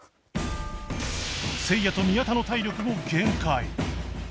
せいやと宮田の体力も限界